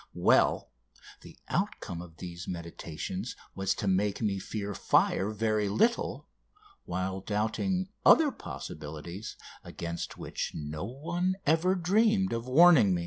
Well, the outcome of these meditations was to make me fear fire very little, while doubting other possibilities against which no one ever dreamed of warning me.